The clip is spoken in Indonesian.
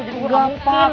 jadi gue mau nungkin